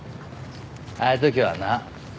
ああいうときはな